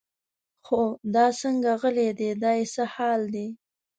خو دا څنګه غلی دی دا یې څه حال دی.